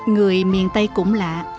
người miền tây cũng lạ